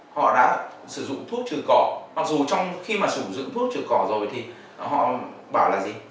họ đã sử dụng thuốc trừ cỏ mặc dù trong khi mà sử dụng thuốc trừ cỏ rồi thì họ bảo là gì